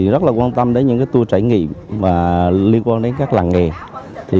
rất quan tâm đến những tour trải nghiệm liên quan đến các làng nghề